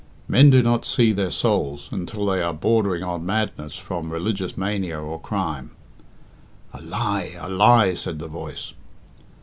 Men do not 'see their souls' until they are bordering on madness from religious mania or crime." "A lie! a lie!" said the voice.